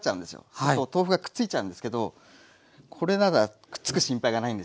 そうすると豆腐がくっついちゃうんですけどこれならくっつく心配がないんですよね。